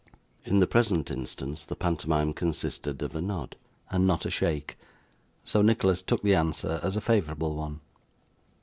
In the present instance, the pantomime consisted of a nod, and not a shake; so Nicholas took the answer as a favourable one.